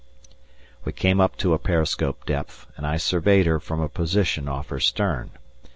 We came up to a periscope depth, and I surveyed her from a position off her stern.